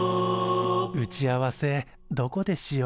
打ち合わせどこでしよう？